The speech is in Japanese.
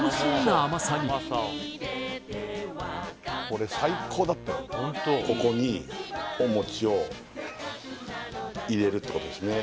これね使用するのはここにお餅を入れるってことですね